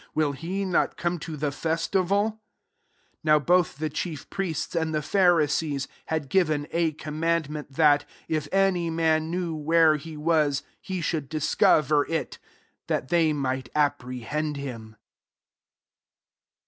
Will he not come to the festival?" 57 Now, both 182 JOHN XII. the chief priests and the Phari sees had given a commandment, that, if any man knew where he was, he should discover i7; that they might apprehend him.